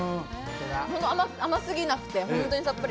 甘すぎなくて本当にさっぱり。